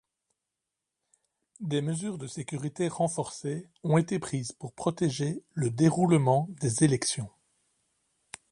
Des mesures de sécurité renforcées ont été prises pour protéger le déroulement des élections.